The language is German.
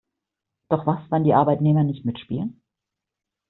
Doch was, wenn die Arbeitnehmer nicht mitspielen?